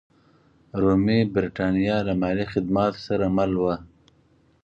رومي برېټانیا له مالي خدماتو سره مل وه.